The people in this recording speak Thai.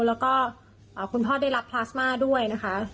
แล้วก็คุณพ่อได้รับพลาสมาด้วยนะคะ